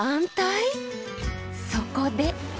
そこで。